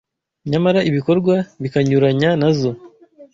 nyamara ibikorwa bikanyuranya na zo,